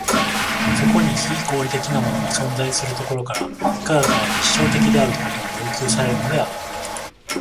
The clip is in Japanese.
そこに非合理的なものが存在するところから、科学は実証的であることを要求されるのである。